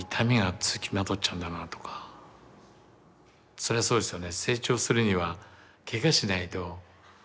そりゃそうですよね。